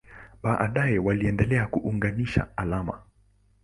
Baadaye waliendelea kuunganisha alama.